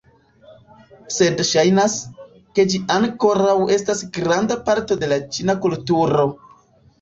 Sed ŝajnas, ke ĝi ankoraŭ estas granda parto de la ĉina kulturo